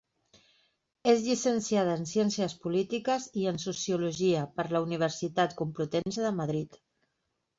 És llicenciada en Ciències Polítiques i en Sociologia per la Universitat Complutense de Madrid.